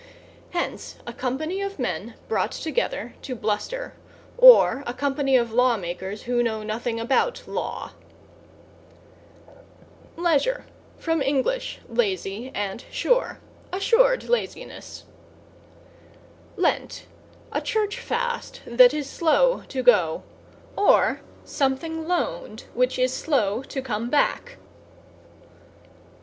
Hence, a company of men brought together to bluster, or a company of law makers who know nothing about law. =LEISURE= From Eng., lazy, and sure; assured laziness. =LENT= A Church fast that is slow to go; or something loaned which is slow to come back.